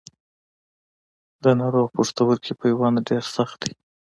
د ناروغ پښتورګي پیوند ډېر سخت دی.